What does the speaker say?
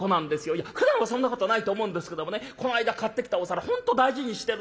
いやふだんはそんなことないと思うんですけどもねこの間買ってきたお皿本当大事にしてるんですよ。